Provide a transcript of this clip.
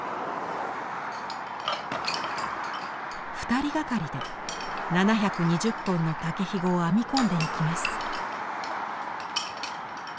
２人がかりで７２０本の竹ひごを編み込んでいきます。